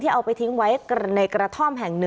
เอาไปทิ้งไว้ในกระท่อมแห่ง๑